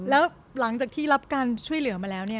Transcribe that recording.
แล้วหลังจากที่รับการช่วยเหลือมาแล้ว